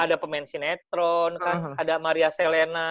ada pemain sinetron kan ada maria selena